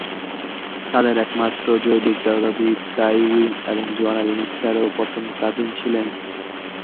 তাদের একমাত্র জৈবিক দাদা-দাদী, টাইউইন এবং জোয়ানা ল্যানিস্টারও প্রথম কাজিন ছিলেন।